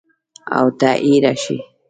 اوته اېره شې!